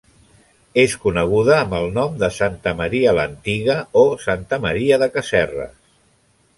És coneguda amb el nom de santa Maria l'antiga o santa Maria de Casserres.